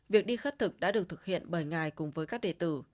việc đi khất thực đã được thực hiện bởi ngài cùng với các đề tử